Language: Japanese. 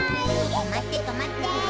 とまってとまって！